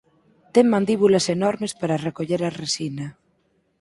Ten mandíbulas enormes para recoller a resina.